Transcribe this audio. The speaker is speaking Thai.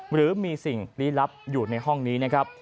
หรือมีสิ่งลี้ลับอยู่ในห้องนี้นะครับ